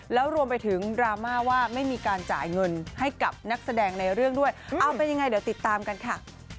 แล้วรวมไปถึงดราม่าว่าไม่มีการจ่ายเงินให้กับนักแสดงในเรื่องด้วยเอาเป็นยังไงเดี๋ยวติดตามกันค่ะ